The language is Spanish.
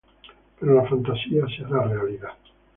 Pero la fantasía se hará realidad.